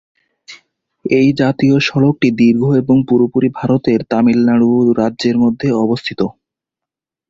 এই জাতীয় সড়কটি দীর্ঘ এবং পুরোপুরি ভারতের তামিলনাড়ু রাজ্যের মধ্যে অবস্থিত।